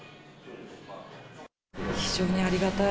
非常にありがたい。